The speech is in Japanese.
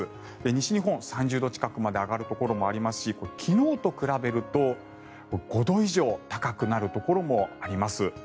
西日本は３０度近くまで上がるところもありますし昨日と比べると５度以上高くなるところもあります。